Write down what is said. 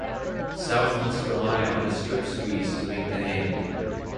South must rely on a strip squeeze to make the hand.